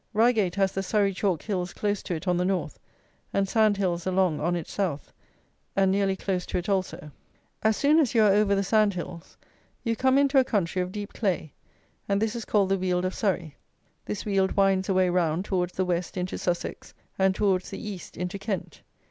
Reigate has the Surrey chalk hills close to it on the North, and sand hills along on its South, and nearly close to it also. As soon as you are over the sand hills, you come into a country of deep clay; and this is called the Weald of Surrey. This Weald winds away round, towards the West, into Sussex, and towards the East, into Kent.